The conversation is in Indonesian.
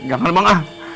gak ada bang